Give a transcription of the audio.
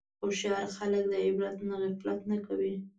هوښیار خلک د عبرت نه غفلت نه کوي.